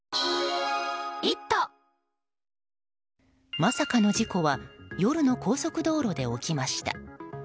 まさかの事故は夜の高速道路で起きました。